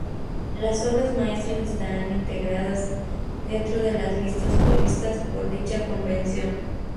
Las obras maestras estarán integradas dentro de las listas previstas por dicha Convención.